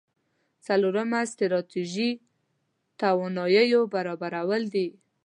څلورمه ستراتيژي تواناییو برابرول دي.